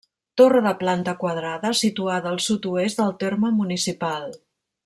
Torre de planta quadrada, situada al sud-oest del terme municipal.